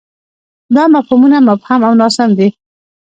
دا مفهومونه مبهم او ناسم دي.